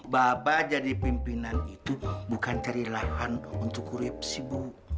bapak jadi pimpinan itu bukan cari lahan untuk kurip si bu